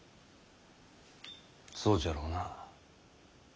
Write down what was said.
そうじゃろうな。